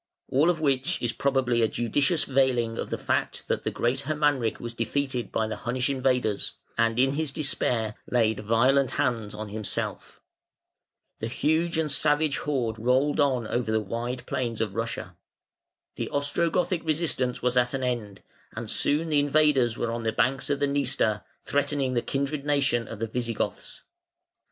All of which is probably a judicious veiling of the fact, that the great Hermanric was defeated by the Hunnish invaders, and in his despair laid violent hands on himself. [Footnote 7: Mentioned by Ammianus Marcellinus.] The huge and savage horde rolled on over the wide plains of Russia. The Ostrogothic resistance was at an end; and soon the invaders were on the banks of the Dniester threatening the kindred nation of the Visigoths.